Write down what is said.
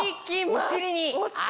お尻に！